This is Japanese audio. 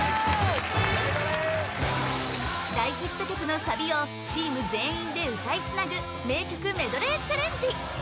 大ヒット曲のサビをチーム全員で歌いつなぐ名曲メドレーチャレンジ